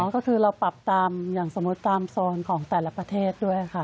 ก็คือเราปรับตามอย่างสมมุติตามโซนของแต่ละประเทศด้วยค่ะ